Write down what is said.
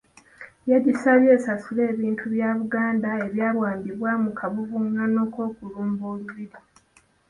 Yagisabye esasule ebintu bya Buganda ebyawambibwa mu kavuvungano k’okulumba Olubiri.